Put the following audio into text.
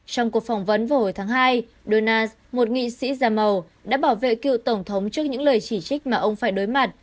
trong cuộc phỏng vấn vào hồi tháng hai donas một nghị sĩ da màu đã bảo vệ cựu tổng thống trước những lời chỉ trích mà ông phải đối mặt